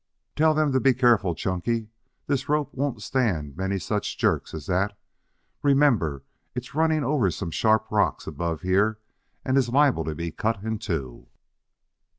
"Tell them to be careful, Chunky. This rope won't stand many such jerks as that. Remember, it's running over some sharp rocks above here and is liable to be cut in two."